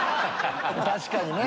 確かにね。